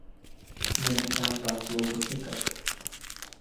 Nenechám vás dlouho čekat.